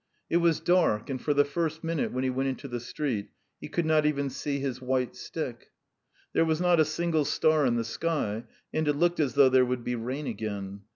It was dark, and for the first minute when he went into the street, he could not even see his white stick. There was not a single star in the sky, and it looked as though there would be rain again.